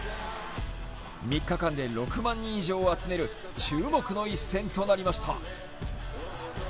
３日間で６万人以上を集める注目の一戦となりました。